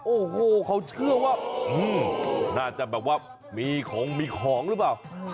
โอ้โหเขาเชื่อว่าน่าจะแบบว่ามีของมีของหรือเปล่า